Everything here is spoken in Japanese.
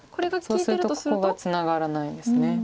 そうするとここがツナがらないんです。